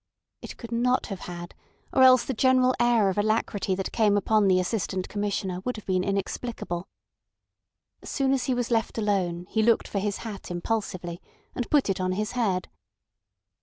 It could not have had, or else the general air of alacrity that came upon the Assistant Commissioner would have been inexplicable. As soon as he was left alone he looked for his hat impulsively, and put it on his head.